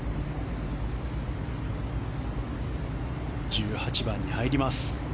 １８番に入ります。